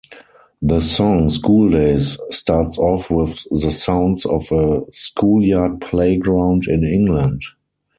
The song "Schooldays" starts off with the sounds of a schoolyard playground in England.